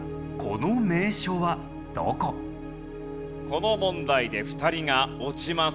この問題で２人が落ちます。